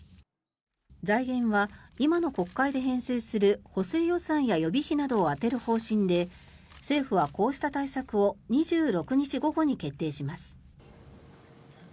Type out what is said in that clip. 財源は、今の国会で編成する補正予算や予備費などを充てる方針で政府はこうした対策を２６日午後に決定します。